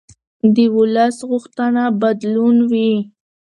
د ولس غوښتنه بدلون وي